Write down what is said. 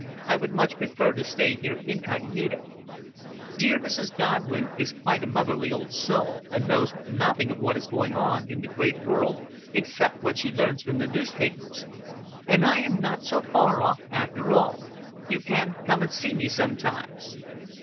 I would much prefer to stay here incognita. Dear Mrs Godwin is quite a motherly old soul, and knows nothing of what is going on in the great world except what she learns from the newspapers. And I am not so far off, after all. You can come and see me sometimes."